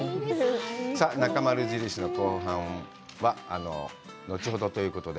さあ、「なかまる印」の後半は後ほどということで。